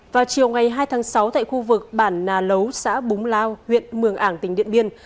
vào chiều ngày hai tháng sáu tại khu vực bản nà lấu xã búng lao huyện mường ảng tỉnh điện biên